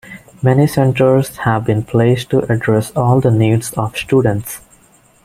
Many centers have been placed to address all the needs of students.